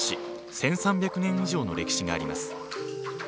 １３００年以上の歴史があります。